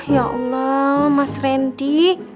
ya allah mas randy